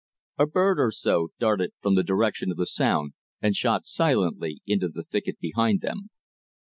A bird or so darted from the direction of the sound and shot silently into the thicket behind them.